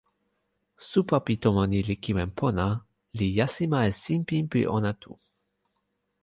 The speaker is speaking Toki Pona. supa pi tomo ni li kiwen pona, li jasima e sinpin pi ona tu.